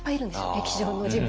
歴史上の人物に。